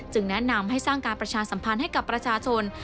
แนะนำให้สร้างการประชาสัมพันธ์ให้กับประชาชน